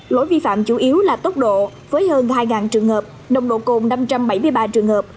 lỗi vi phạm chủ yếu là tốc độ với hơn hai trường hợp nồng độ cồn năm trăm bảy mươi ba trường hợp